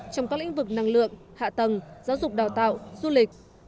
trong các lĩnh vực năng lượng hạ tầng giáo dục đào tạo du lịch